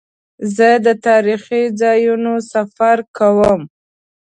زه د تاریخي ځایونو سفر کوم.